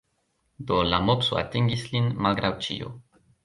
Do la mopso atingis lin, malgraŭ ĉio.